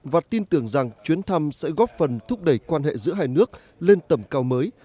và tin tưởng rằng chuyến thăm sẽ góp phần thúc đẩy quan hệ giữa hai nước lên tầm cao mới